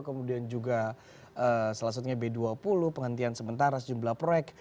kemudian juga salah satunya b dua puluh penghentian sementara sejumlah proyek